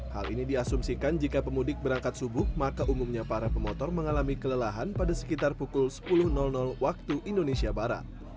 hal ini diasumsikan jika pemudik berangkat subuh maka umumnya para pemotor mengalami kelelahan pada sekitar pukul sepuluh waktu indonesia barat